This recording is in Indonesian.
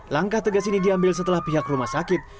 langkah tegas ini diambil setelah pihak rumah sakit